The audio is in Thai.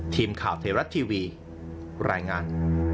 ทีมข่าวเทรัตต์ทีวีรายงาน